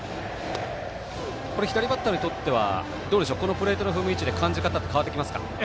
左バッターにとってはこのプレートの踏む位置で感じ方は変わってきますか？